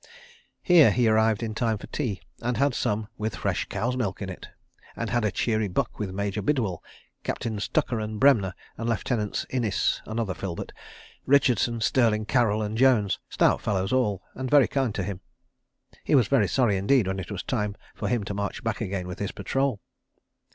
... Here he arrived in time for tea, and had some with real fresh cow's milk in it; and had a cheery buck with Major Bidwell, Captains Tucker and Bremner, and Lieutenants Innes (another Filbert), Richardson, Stirling, Carroll, and Jones—stout fellows all, and very kind to him. He was very sorry indeed when it was time for him to march back again with his patrol.